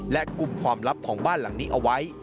และกลุ่มความลับของบ้านหลังนี้เอาไว้